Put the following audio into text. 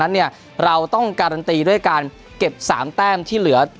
เราต้องการันตีด้วยการเก็บ๓แต้มที่เหลือ